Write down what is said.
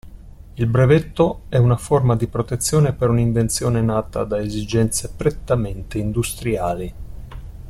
Il brevetto è una forma di protezione per un'invenzione nata da esigenze prettamente industriali.